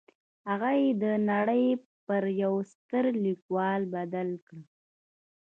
هغه يې د نړۍ پر يوه ستر ليکوال بدل کړ.